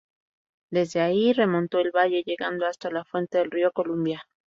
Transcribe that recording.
Desde ahí, remontó el valle, llegando hasta la fuente del río Columbia.